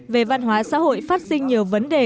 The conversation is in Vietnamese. về văn hóa xã hội phát sinh nhiều vấn đề